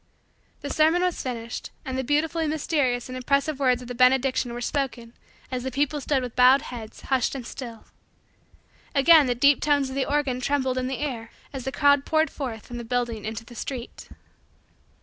The sermon was finished and the beautifully mysterious and impressive words of the benediction were spoken as the people stood with bowed heads, hushed and still. Again the deep tones of the organ trembled in the air as the crowd poured forth from the building into the street.